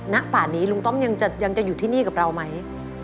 ณป่านนี้ลุงต้อมยังจะอยู่ที่นี่กับเราไหม